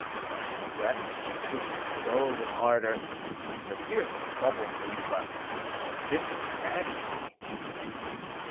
As she wept she kissed the stone with ardor; her tears had troubled me, but her kisses maddened me."